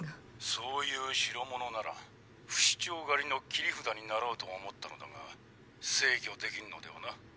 そういう代物なら不死鳥狩りの切り札になろうと思ったのだが制御できんのではな。